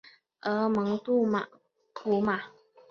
而蒙杜古马。